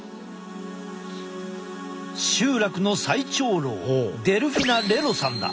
集落の最長老デルフィナ・レロさんだ。